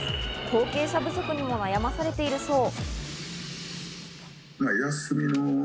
後継者不足にも悩まされているそう。